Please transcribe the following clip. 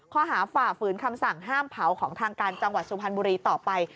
ฝ่าฝืนคำสั่งห้ามเผาของทางการจังหวัดสุพรรณบุรีต่อไป